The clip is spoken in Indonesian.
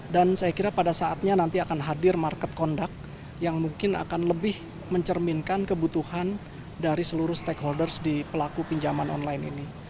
dan saya kira pada saatnya nanti akan hadir market conduct yang mungkin akan lebih mencerminkan kebutuhan dari seluruh stakeholders di pelaku pinjaman online ini